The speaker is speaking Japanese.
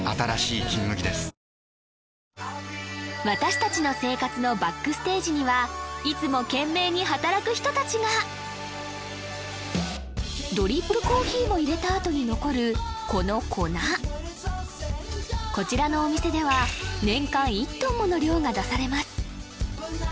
私達の生活のＢＡＣＫＳＴＡＧＥにはいつも懸命に働く人達がドリップコーヒーを淹れたあとに残るこの粉こちらのお店では年間１トンもの量が出されます